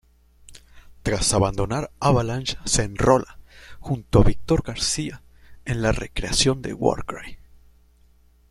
Tras abandonar Avalanch se enrola, junto a Víctor García, en la re-creación de Warcry.